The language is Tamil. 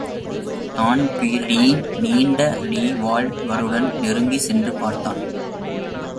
தான்பிரீன் நீட்டிய ரிவால்வருடன் நெருங்கிச் சென்று பார்த்தான்.